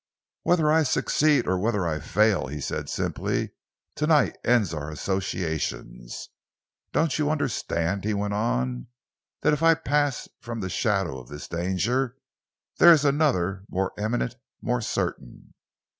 "Whether I succeed or whether I fail," he said simply, "to night ends our associations. Don't you understand," he went on, "that if I pass from the shadow of this danger, there is another more imminent, more certain?"